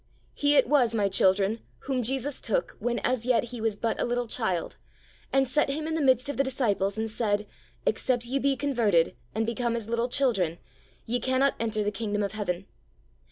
He it was, my children, whom Jesus took, when as yet he was but a little child, and set him in the midst of the disciples and said, "Except ye be converted, and become as little children, ye cannot enter the kingdom of heaven."